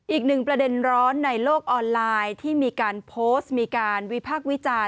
อีกหนึ่งประเด็นร้อนในโลกออนไลน์ที่มีการโพสต์มีการวิพากษ์วิจารณ์